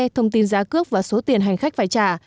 thông tin giá cước và số tiền hành khách phải trả